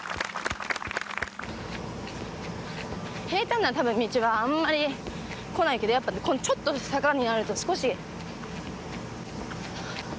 平たんな、たぶん道はあんまりこないけど、やっぱりちょっとした坂になると、少し。